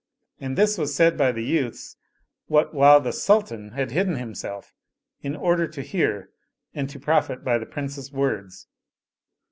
And this was said by the youths what while the sultan h£id hidden himself in order to hear and to profit by the Princes* words.